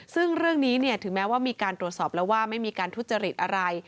ซึ่งเรื่องนี้ถึงแม้ว่ามีการตรวจสอบแล้วว่าไม่มีการทุจริตอะไร